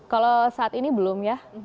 kalau saat ini belum ya